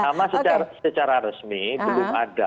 sama secara resmi belum ada